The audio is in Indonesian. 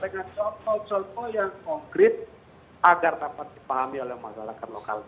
dengan contoh contoh yang konkret agar dapat dipahami oleh masyarakat lokal